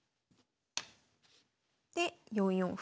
で４四歩。